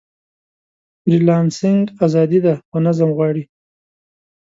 فریلانسنګ ازادي ده، خو نظم غواړي.